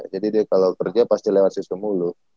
jadi dia kalo kerja pasti lewat sistem ulu